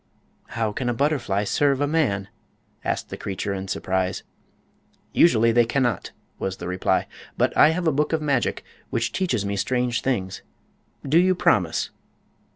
"How can a butterfly serve a man?" asked the creature, in surprise. "Usually they cannot," was the reply. "But I have a book of magic which teaches me strange things. Do you promise?"